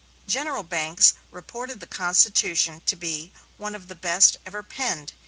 General Banks reported the constitution to be "one of the best ever penned....